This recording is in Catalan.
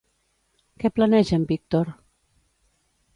Què planeja en Víctor?